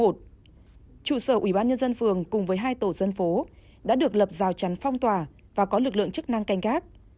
trụ sở ubnd phường cùng với hai tổ dân phố đã được lập rào chắn phong tỏa và có lực lượng chức năng canh gác